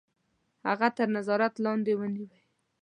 هغه تر نظارت لاندي ونیوی.